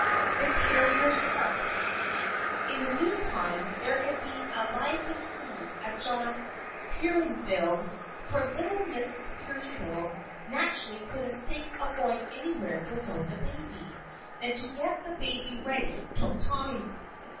The Carrier's Cart In the meantime there had been a lively scene at John Peerybingle's, for little Mrs. Peerybingle naturally couldn't think of going anywhere without the baby; and to get the baby ready took time.